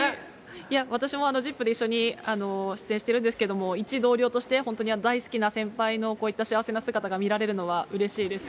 いや、私もＺＩＰ！で一緒に出演してるんですけども、一同僚として、大好きな先輩のこういった幸せな姿が見られるのは、うれしいですね。